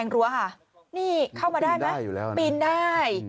นี่เข้ามาได้ไหมปีนได้